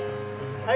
はい。